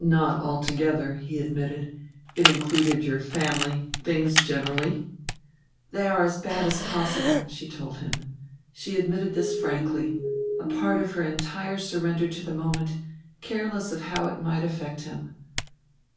"Not altogether," he admitted; "it included your family, things generally." "They are as bad as possible," she told him. She admitted this frankly, a part of her entire surrender to the moment, careless of how it might affect him.